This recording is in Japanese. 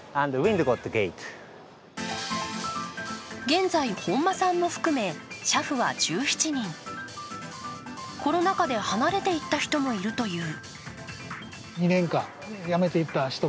現在、本間さんも含め車夫は１７人コロナ禍で離れていった人もいるという。